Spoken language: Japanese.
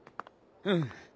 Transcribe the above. うん。